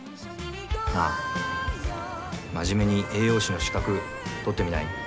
真面目に栄養士の資格取ってみない？